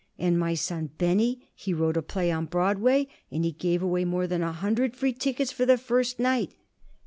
"And my son Benny he wrote a play on Broadway and he gave away more than a hundred free tickets for the first night."